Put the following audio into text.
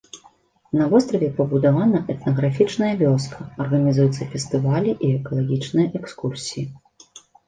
На востраве пабудавана этнаграфічная вёска, арганізуюцца фестывалі і экалагічныя экскурсіі.